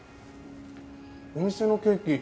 お店のケーキ